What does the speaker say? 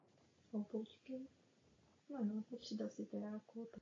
K "Ubuntu One" patřil také obchod s hudbou nazývaný "Ubuntu One Music Store".